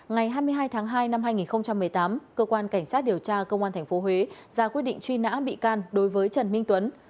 ngày hai mươi hai tháng hai năm hai nghìn một mươi tám cơ quan cảnh sát điều tra công an tp huế ra quyết định truy nã bị can đối với trần minh tuấn